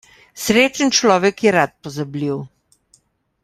Srečen človek je rad pozabljiv.